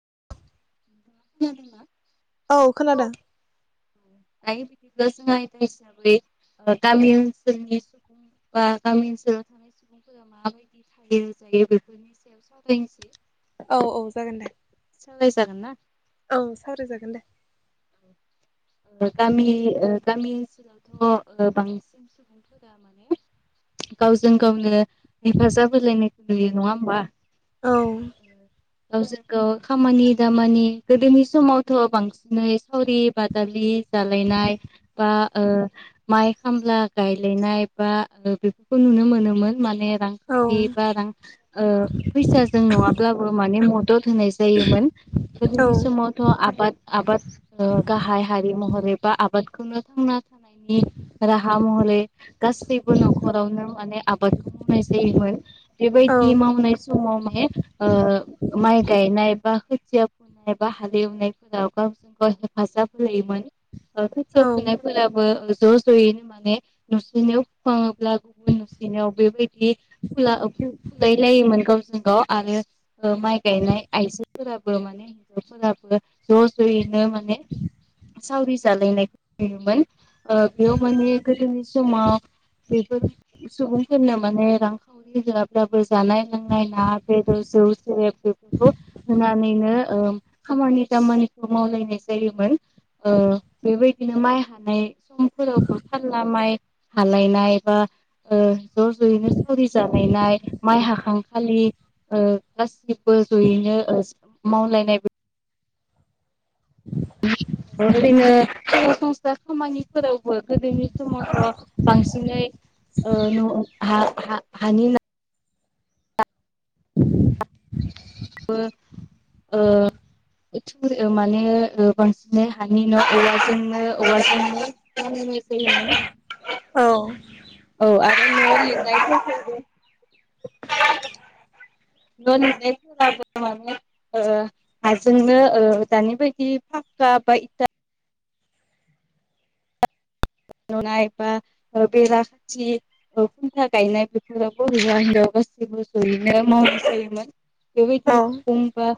[inaudible] औ खोनादों। [unintelligible] औ औ जागोन दे सोलाय जागोन ना। औ सावराय जागोन दे। गामि ओ गामि ओनसोलावथ बांसिन सुबुंफोरा माने। गावजों गावनो हेफाजाब होलायनायखौ नुयो। नडां होनबा। औ माने ओ गावजों गाव खामानि दामानि गोदोनि समावथ बांसिनै सावरि बाद दालौयै जालायनाय बा ओ माइ खामला गायलायनाय बा बेफोरखौ नुनो मोनोमोन माने औ रांखावरि बा रां ओ फैसाजों नङाब्लाबो माने मद द होनाय जायोमोन औ गोदोनि समावथ' आबाद आबाद ओ गाहाय महरै बा आबादखौनो थांना थानायनि राहा महरै गासैबो न'खरावनो माने आबादखौ मावनाय जायोमोन औ बेबायदि मावनाय समाव माने ओ माइ गायनाय बा खोथिया फुनाय बा हाल एवनायफोराव बा [unintelligible] गावजों गाव हेफाजाब होयोमोन ओ औ खोथिया फुनायफोराबो ओ ज' ज'यैनो माने नसेनियाव फुखाङोब्ला गुबुन नसेनियाव बेबायदि फुला ओ फुलाय लायोमोन गावजों गाव आरो माइ गायनाय आइजोफोराबो माने हिन्जावफोराबो ज' ज'यैनो माने सावरि जालायनायखौ नुयोमोन ओ बेयाव माने गोदोनि समाव बेफोर सुबुंफोरनो माने रांखावरि होआब्लाबो जानाय लोंनाय ना बेदर जौ सेरेब बेफोरखौ होनानैनो ओ खामानि दामानिखौ मावलायनाय जायोमोन। ओ बेबायदिनो माइ हानाय समफोरावबो फारला माइ हालायनाय बा ओ ज' ज'यैनो सावरि जालायनाय माइ हाखांखालि ओ गासिबो ज'यैनो ओ मावलायनाय जोङो सरासनस्रा खामानिफोरावबो गोदोनि समावथ' बांसिनै न हानि न [unintelligible] [unintelligible] माने बांसिनै हानि न' एवाजोंनो [inaudible] औ [inaudible] औ आरो न' लिरनायफोरखौ न' लिरनायफोरबो माने हाजोंनो दानि बायदि फाा बा इटा [inaudible] लुनाय बा ओ बेरा खाथि ओ खुन्था गायनाय बेफोरावबो हौवा हिनजाव गासिबो ज'यैनो मावनाय जायोमोन औ बेबायदिनो उखुम बा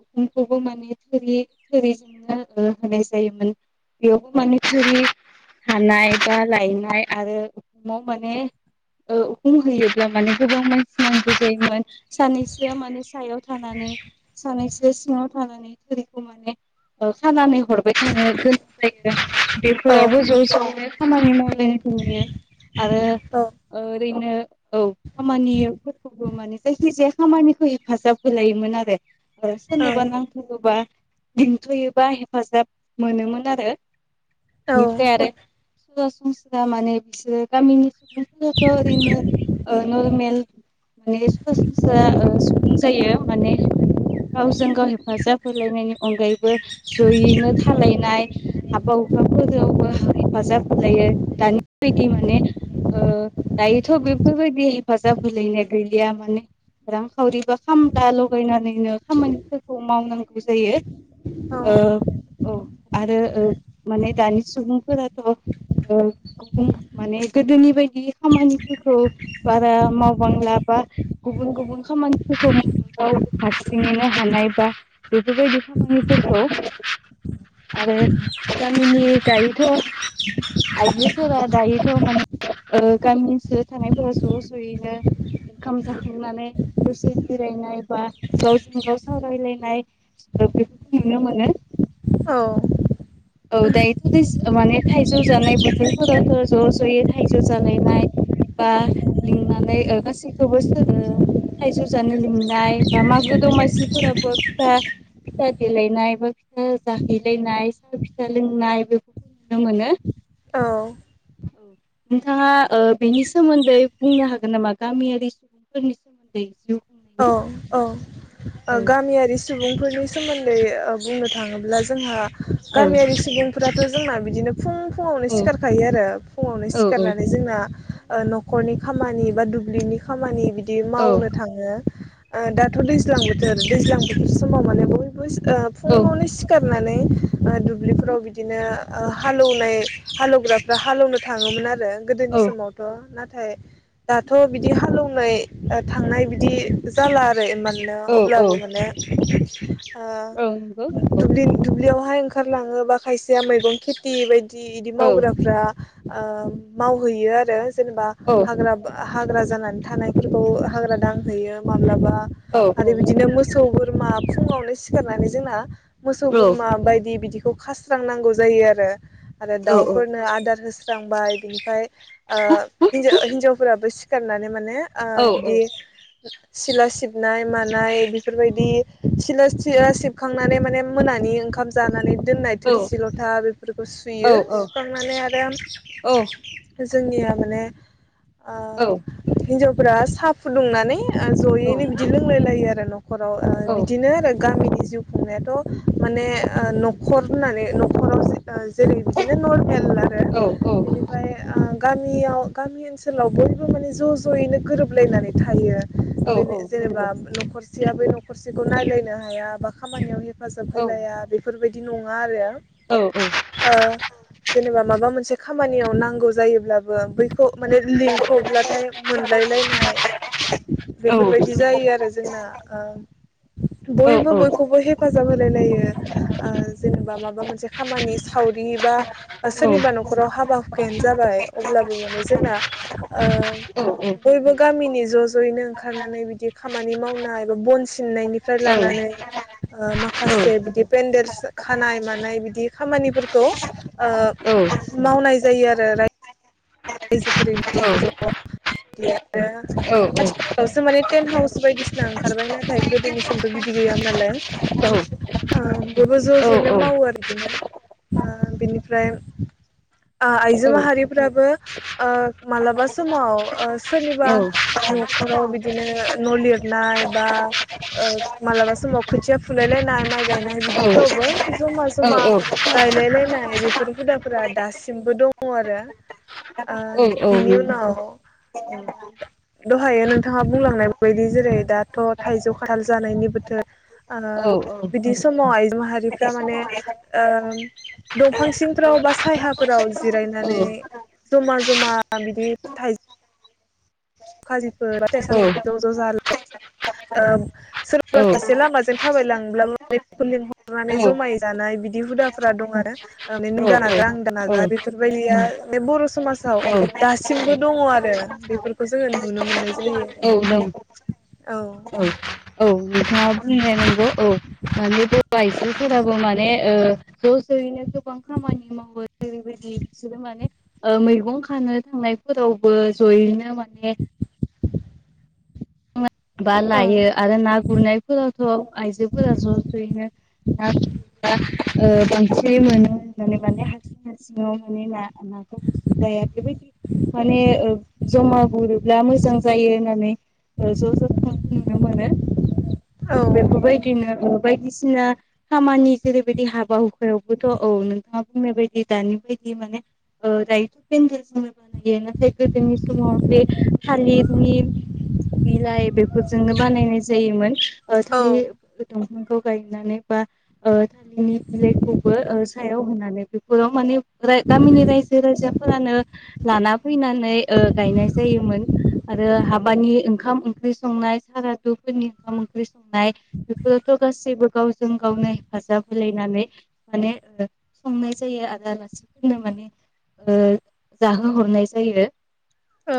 उखुखौबो माने थोरि थोरिजोंनो ओ होनाय जायोमोन बेयावबो माने थोरि हानाय बा लायनाय आरो उखुमाव माने ओ उखुम होयोब्ला माने गोबां मानसि नांगौ जायोमोन सानैसोआ माने सायाव थानानै सानैसो सिङाव थानानै थुरिखौ माने ओ खानानै हरबाय थानो गोनां जायो। बेफोर रावबो ज' ज' बे खामानि मावलायनाय नुयो आरो ओरैनो औ खामानिफोरखौबो माने जायखि जाया खामानिखौ हेफाजाब होलायोमोन आरो ओ सोरनोबा नांथगोबा लिंथ'योबा हेफाजाब मोनोमोन आरो बिफ्राय आरो सरासनस्रा माने बिसोर गामिनि सुबुंफोराथ' ओरैनो ओ नरमेल माने सरासनस्रा ओ सुबुं जायो। माने गावजों गाव हेफाजाब होलायनायनि अनगायैबो जयैनो थालायनाय हाबा हुखाफोरावबो हेफाजाब होलायो दानि बायदि माने ओ दायोथ' बेफोरबायदि हेफाजाब होलायनाय गैलिया माने रांखावरि बा खामला लगायनानैनो खामानिफोरखौ मावनांगौ जायो ओ अ आरो ओ माने दानि सुबुंफोरा ओ गुबुं [inaudible] माने गोदोनि बायदि खामानिफोरखौ बारा मावबांला बा गुबुन गुबुन खामानिफोरखौ मावाव हारसिंोननो हानाय बा बेफोरबायदि खामानिफोरखौ आरो गामिनि दायोथ' आइजोफोरा दायोथ' माने ओ गामि ओनसोलाव थानायफोरा ज' ज'यैनो ओंखाम जाखांनानै दसे जिरायनाय बा गावजों गाव सावरायलायनाय ओ बेफोरखौ नुनो मोनो। औ। औ दायोथ दैज माने थाइजौ जानाय बोथोरफोराावथ ज' ज'यै थाइजौ जालायनाय बा लिंनानै ओ गासैखौबोसो ओ थाइजौ जानो लिंनाय बा मागो दमासिफोराबो फिथा फिथा देलायनाय बा फिथा जाहैलायनाय। सोलोंनाय बेफोरख नुनो मोनो। औ। औ नोंथाङा बेनि सोमोन्दै बुंनो हागोन नामा गामियारि सुबुं फोरनि सोमोन्दै जिउ। औ खुंनायनि औ। ओ औ गामियारि सु सुबुंफोरनि सोमोन्दै ओ बुंनो थाङोब्ला जोंहा। गामियारि सुबुं फोराथखै जोंना बिदिनो फुं फुङावनो सिखारखायो आरो फुङावनो औ सिखारनानै जोंना। ओ न'खरनि खामानि बा दुब्लिनि खामानि बि दि औ मावनो थाङो। ओ दाथ दैज्लां बोथोर दैज्लां बोथोर समाव माने बयबो ओ औ फुङावनो सिखार नानै ओ दुब्लिफोराव बिदिनो ओ हालोउनाय हालोवग्राफ्रा हालेवनो थाङोमोन आरो। गोदोनि समावथ ना थाय दाथ बिदि हालेवनाय थांनाय बिदि। जाला रै मानो औ औ अब्लाबो माने [inaudible] औ नंगौ ओ औ दुबलिन दुबलियावहाय। खारलाङोबा खायसेया मैगं खेथि बायदि दि इदि औ मावग्राफ्रा ओ मावहैयो आरो जेनबा औ हाग्राबा हाग्रा जानानै थानायफोरखौ हाग्रा दांहैयो। माब्लाबा औ नंगौ औ आरो बिदिनो मोसौ बोर बोरमा फुङावनो सिखारनानै जोंना मोसौ बोरमा बायदि बिदि खौ खास्रांनांगौ जायो आरो आरो दाउफोरनो आदार होस दांबाय बिनिफाय ओ हिनजा-हिनजावफोराबो सिखारनानै माने ओ बिदि [unintelligible] सिला सिबनाय मानाय बेफोरबायदि सिला सिला सिबखांनानै माने मोनानि ओंखाम जानानै दोननाय थोरसि लथा बेफोरखौ सुयो सुखांनानै आरो जोंनिया माने ओ हिनजाव फोर साहा फुदुंनानै जयैनो बिदि लोंलायलायो आरो [unintelligible] न'खराव बिदिनो आरो गामिनि जिउ खुंनायाथ माने न'खर होननानै न'खराव जे जेरै बिदिनो नरमेल आरो बेनिफ्राय गामियाव गामि ओनसोलाव बयबो माने ज' ज'यैनो गोरोबलायनानै थायो। बे जेनेबा न'खरसेया बे खरसेखौ नायल्लायनो हाया बा खामानियाव हेफाजाब होलाया बेफोरबायदि बिदि नङा औ आरो जेनेबा माबा मोनसे खामानियाव नांगौ जायोब्लाबो बैखौ माने लिंथ'ब्लाथाय मोनलायलायनाय बेफोरबायदि जायो आरो जोंना बयबो बयखौबो हेफाजाब होलाय लायो जेनेबा माबा मोनसे खामानि साव बियोबा सोरनिबा न'खराव हाबा हुखायानो जाबाय अब्लाबो माने जोंना बयबो गामिनि ज' ज' ओंखारनानै बिदि खामानि मावनाय एबा बन सिन नायनिफ्राय लानानै माखासे बिदि पेन्देलस खानाय मानाय बिदि खामानिफोरखौ मावनाय जायो आरो रायजोफोरैनो ज' ज' बिदि आरो आथिखालावसो माने टेन्ट हाउस बायदिसिना ओंखारबाय नाथाय गोदोनि समथ' बिदि गैयाम नालाय बयबो ज' ज'यैनो मावो आरो बिदिनो बिनिफ्राय आइजो माहारिफ्राबो मालाबा समाव सोरनिबा न'खराव बिदिनो न' लिरनाय बा मालाबा समाव खोथिया फुलायलायनाय माइ गायनाय बिदिफ्रावबो जमा जमा गायलायलायनाय बे बेफोर हुदाफोरा दासिमबो दङ आरो। ओ बिनि उनाव दहायो नोंथाङा बुंलांनाय बायदि जेरै दाथ' थाइजौ खथाल जानायनि बोथोर। ओ बिदि समाव आइ माहारिफोरा माने ओ दंफां सिंफ्राव बा सायहा फोराव जिरायनानै जमा जमा बिदि थाइजौ खाजि फोर फिथाइ सामथा ज -ज जालायो ओ सोरबा सासे लामाजों थाबाय लाङोब्ला बेखौ लिंहरनानै जमायै जानाय बिदि हुदाफोरा दं आरो माने नों दानागार आं दानागार बेफोरबायदिया बे बर समाजाव आव दासिमबो दङ आरो बेफोरखौ जोङो नुनो मोननाय जायो औ नों औ -औ नोंथाङा बुंनाया नंगौ औ मानि आयजोफोराबो माने ज' ज'यैनो गोबां खामानि मावो जेरैबायदि बिसोरो माने मैगं खानो थांनायफोरावबो जयैनो माने बा औ लायो आरो ना गुरनायफोरावथ' आइजोफोरा ज' ज'यैनो ना गुरो ओ बांसिनै मोनो होननानै माने हारसिं हारसिङाव माने ना नाखौ गोसो जाया बेबायदि माने जमा गुरोब्ला मोजां जायो होननानै ज' ज' नुनो मोनो औ बिदिनो बायदिसिना खामानि जेरैबायदि हाबा हुखायावबोथ' औ नोंथाङा बुंनाय बायदि दानि बायदि माने दायोथ' पेन्देल जोंनो बानायो नाथाय गोदोनि समाव बे थालिरनि बिलाइ बे फोरजोंनो बानायनाय जायोमोन थोलि औ बिखौ गायनानै बा थालिरनि बिलाइखौबो सायाव होनानै बेफोराव माने गामिनि रायजो राजाफोरानो लाना फैनानै ओ गायनाय जायोमोन आरो हाबानि ओंखाम ओंख्रि संनाय सारादुफोरनि ओंखाम ओंख्रि संनाय बेफोरावथ' गासैबो गावजों गावनो हेफाजाब होलायनानै माने संनाय जायो आरो आलासिफोरनो माने ओ जाहोहरनाय जायो औ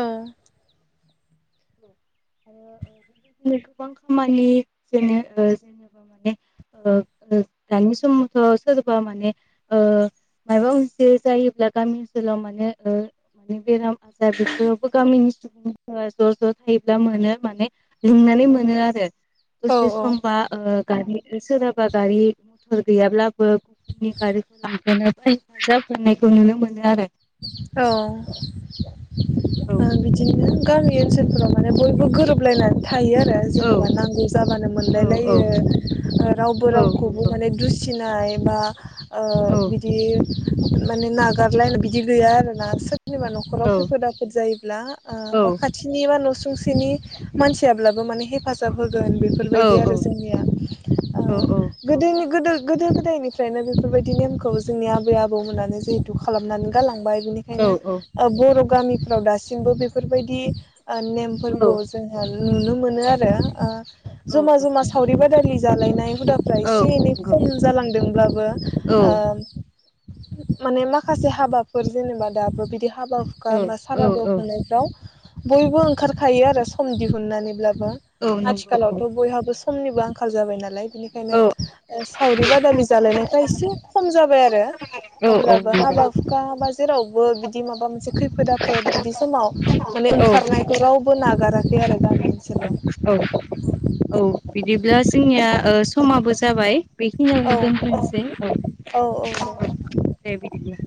आरो बेबायदिनो गोबां खामानि जेन जेनेबा माने दानि समावथ' सोरबा माने माबा मोनसे जायोब्ला गामि ओनसोलाव माने -माने बेराम आजार बेफोरावबो गामिनि सुबुंफोरा ज' ज' थायो दा मोनो माने लिंनानै मोनो आरो दसे औ सम बा ओ सोरहाबा गारि मथर गैयाब्लाबो गुबुननि गारिखौ लाबोनो बा हेफाजाब होनायखौ नुनो मोनो आरो औ औ बिदिनो गामि ओनसोलफोराव माने बयबो गोरोबलायनानै थायो आरो जेनेबा औ नांगौ जाबानो औ औ मोनलायलायो रावबो औ रावखौबो नंगौ माने दुसिनो ओमफ्राय बा ओ औ बिदि माने नागारलायनो बिदि गैया आरो ना सो सोरनिबा नखराव खैफोद आफोद जायोब्ला औ बा खाथिनि मान न सुंसेनि मानसियाब्लाबो माने हेफाजाब होगो गोन औ बेफोरबायदि औ आरो जोंनिया औ औ गोदोनि गोदो गोदो गोदायनिफ्रायनो बेफोरबायदि नेमखौ जोंनि आबै आबौमोनानो जिहेथु खालामनानै गालांबाय औ बेनिखायनो बर' गामिफ्राव दासिमबो बेफोरबायदि नेमफोरखौ औ जोंहा नुनो मोनो आरो ओ ज'मा औ ज'मा सावरिबादालि जालायनाय हुदाफ्रा औ एसे एनै नंगौ खम जालांदोंब्लाबो औ माने माखासे हाबा फोर जेनेबा दाबो बिदि हाबा हुखा बा औ औ सारादु खुंनायफ्राव बयबो ओंखारखायो आरो सम दिहुननानैब्लाबो औ नंगौ आथिखालावथ' बयहाबो समनिबो आंखाल जाबाय नालाय औ बिनिखायनो सावरि बादालि जालायनायफ्रा एसे खम जाबाय आरो औ औे अब्लाबो हाबा नंगौ हुखा जेरावबो बिदि माबा मोनसे खैफोद आफोद बिदि समाव माने औ ओंखारनायखौ रावबो नागाराखै आरो गामि ओनसोलाव औ औ बिदिब्ला जोंनिया ओ समाबो जाबाय। बेखिनियावनो औ दोन्थनोसै औ औ औ दे बिदिब्ला।